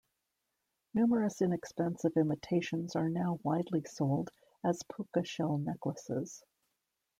Numerous inexpensive imitations are now widely sold as puka shell necklaces.